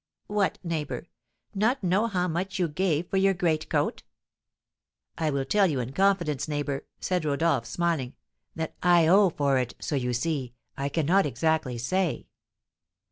"What, neighbour! not know how much you gave for your greatcoat?" "I will tell you, in confidence, neighbour," said Rodolph, smiling, "that I owe for it; so, you see, I cannot exactly say."